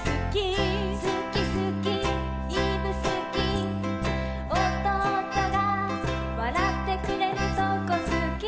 「すきすきいぶすき」「弟がわらってくれるとこすき」